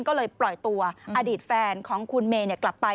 ก็เลยปล่อยตัวอดีตแฟนของคุณเมย์กลับไป